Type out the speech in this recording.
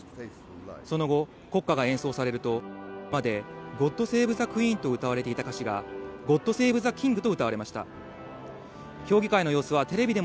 その後、国歌が演奏されると、これまで、ゴッド・セーブ・ザ・クイーンと歌われていた歌詞が、ゴッド・セーブ・ザ・キングと歌われました。